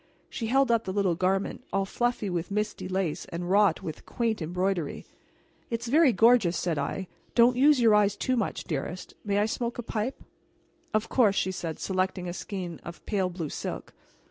She held up the little garment, all fluffy with misty lace and wrought with quaint embroidery. "It is very gorgeous," said I; "don't use your eyes too much, dearest. May I smoke a pipe?" "Of course," she said selecting a skein of pale blue silk.